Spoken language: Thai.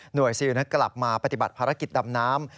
ซิลนั้นกลับมาปฏิบัติภารกิจดำน้ำ